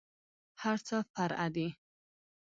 هرڅه فرع دي.